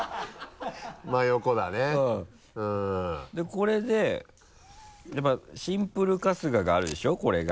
これでやっぱりシンプル春日があるでしょこれが。